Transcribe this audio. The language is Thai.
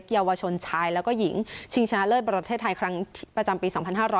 เยาวชนชายแล้วก็หญิงชิงชนะเลิศประเทศไทยครั้งประจำปี๒๕๖๐